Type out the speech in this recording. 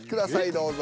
どうぞ。